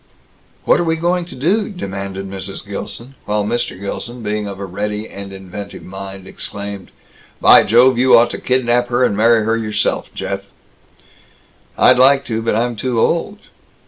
"What are we going to do?" demanded Mrs. Gilson; while Mr. Gilson, being of a ready and inventive mind, exclaimed, "By Jove, you ought to kidnap her and marry her yourself, Jeff!" "I'd like to. But I'm too old."